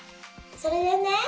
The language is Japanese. それでね